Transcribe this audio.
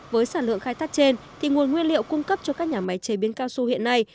với sản lượng khai thác trên thì nguồn nguyên liệu cung cấp cho các nhà máy chế biến cao su hiện nay